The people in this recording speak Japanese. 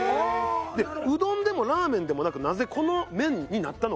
でうどんでもラーメンでもなくなぜこの麺になったのかっていう。